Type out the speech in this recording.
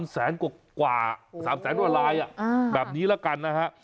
๓แสนกว่าลายแบบนี้แล้วกันนะครับ